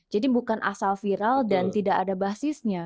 jadi bukan asal viral dan tidak ada basisnya